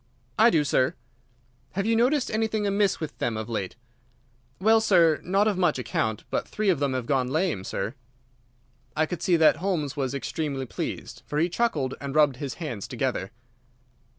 "I do, sir." "Have you noticed anything amiss with them of late?" "Well, sir, not of much account; but three of them have gone lame, sir." I could see that Holmes was extremely pleased, for he chuckled and rubbed his hands together.